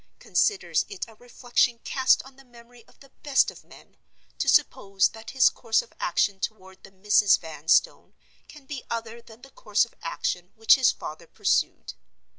Considers it a reflection cast on the memory of the best of men, to suppose that his course of action toward the Misses Vanstone can be other than the course of action which his father pursued.